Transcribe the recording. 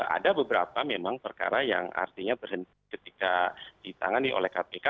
ada beberapa memang perkara yang artinya berhenti ketika ditangani oleh kpk